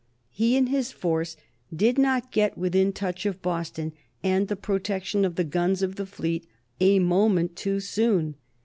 He and his force did not get within touch of Boston and the protection of the guns of the fleet a moment too soon.